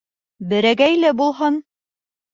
Берәгәйле булһын.